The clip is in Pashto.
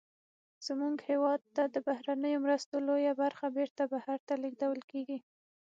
زمونږ هېواد ته د بهرنیو مرستو لویه برخه بیرته بهر ته لیږدول کیږي.